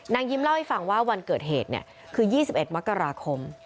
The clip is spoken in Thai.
ยิ้มเล่าให้ฟังว่าวันเกิดเหตุคือ๒๑มกราคม